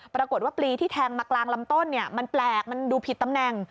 ปรากฏว่าปลีที่แทงมากลางลำต้นมันแปลกมันดูผิดตำแหน่ง